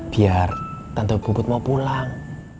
biar tante buput mau pulang